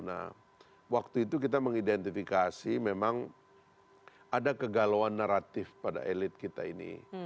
nah waktu itu kita mengidentifikasi memang ada kegalauan naratif pada elit kita ini